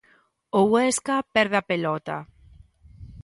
O Huesca perde a pelota.